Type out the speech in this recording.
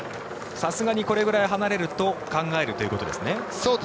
さすがにこれぐらい離れると考えるということですね。